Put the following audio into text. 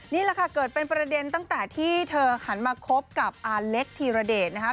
นี่แหละค่ะเกิดเป็นประเด็นตั้งแต่ที่เธอหันมาคบกับอาเล็กธีรเดชนะคะ